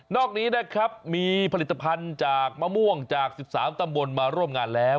อกนี้นะครับมีผลิตภัณฑ์จากมะม่วงจาก๑๓ตำบลมาร่วมงานแล้ว